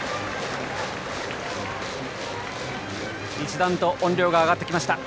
一段と音量が上がってきました。